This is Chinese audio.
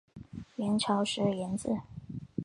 元朝时沿置。